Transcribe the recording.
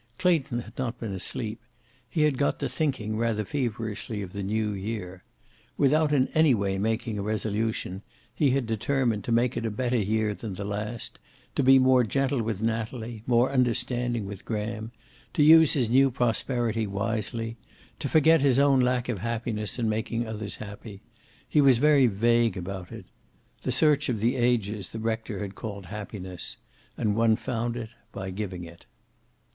Clayton had not been asleep. He had got to thinking rather feverishly of the New year. Without in any way making a resolution, he had determined to make it a better year than the last; to be more gentle with Natalie, more understanding with Graham; to use his new prosperity wisely; to forget his own lack of happiness in making others happy. He was very vague about that. The search of the ages the rector had called happiness, and one found it by giving it.